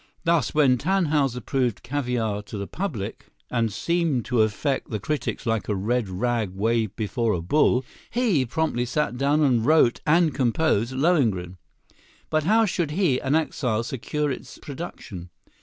Thus, when "Tannhäuser" proved caviar to the public, and seemed to affect the critics like a red rag waved before a bull, he promptly sat down and wrote and composed "Lohengrin." But how should he, an exile, secure its production?